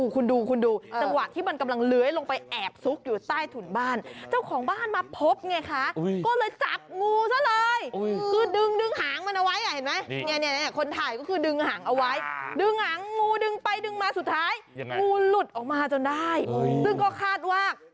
คุณบอกว่าที่หมู่บ้านคุณเจองูตั้ง๔ตัว